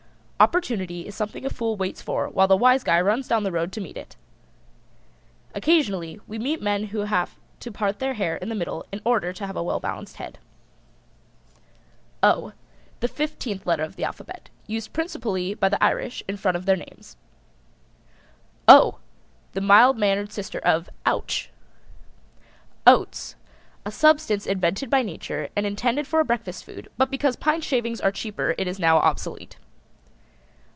Opportunity is something a Fool waits for while the Wise Guy runs down the road to meet it. Occasionally we meet men who have to part their hair in the middle in order to have a well balanced head. ### O: The fifteenth letter of the alphabet, used principally by the Irish in front of their names. ###OH! The mild mannered sister of Ouch! OATS. A substance invented by Nature and intended for a breakfast food, but because pine shavings are cheaper it is now obsolete.